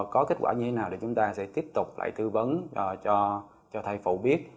có kết quả như thế nào thì chúng ta sẽ tiếp tục lại tư vấn cho thầy phụ biết